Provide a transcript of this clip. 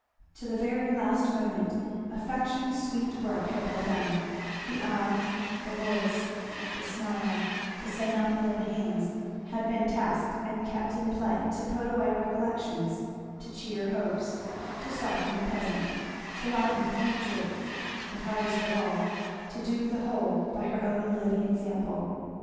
To the very last moment affection's sweet work had been done; the eye, the voice, the smile, to say nothing of the hands, had been tasked and kept in play to put away recollections, to cheer hopes, to soften the present, to lighten the future; and hardest of all, to do the whole by her own living example.